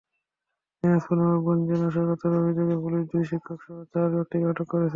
দিনাজপুরের নবাবগঞ্জে নাশকতার অভিযোগে পুলিশ দুই শিক্ষকসহ চার ব্যক্তিকে আটক করেছে।